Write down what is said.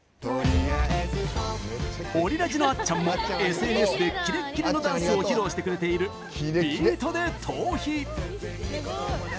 オリラジのあっちゃんもＳＮＳでキレッキレのダンスを披露してくれている「ビートＤＥトーヒ」。